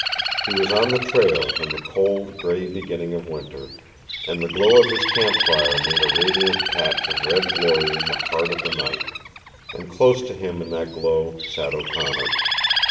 He was on the trail in the cold, gray beginning of Winter, and the glow of his campfire made a radiant patch of red glory in the heart of the night, and close to him in that glow sat O'Connor.